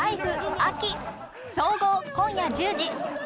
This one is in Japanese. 秋総合、今夜１０時。